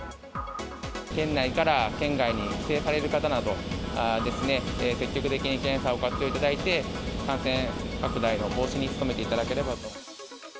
県内から県外に帰省される方など、積極的に検査を活用いただいて、感染拡大の防止に努めていただければと。